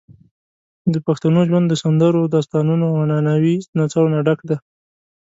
د پښتنو ژوند د سندرو، داستانونو، او عنعنوي نڅاوو نه ډک دی.